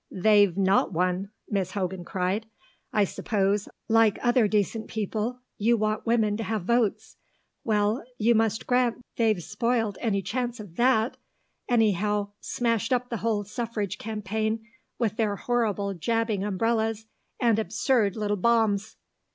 They've not one," Miss Hogan cried. "I suppose, like other decent people, you want women to have votes! Well, you must grant they've spoilt any chance of that, anyhow smashed up the whole suffrage campaign with their horrible jabbing umbrellas and absurd little bombs."